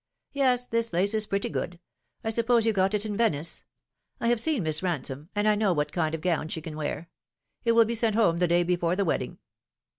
",Yes, this lace is pretty good. I suppose you got it in Venice. I have seen Miss Bansome, and I know what kind of gown she can wear. It will be sent home the day before the wedding."